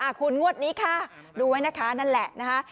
คุณงวดนี้ค่ะดูไว้นะคะนั่นแหละนะคะ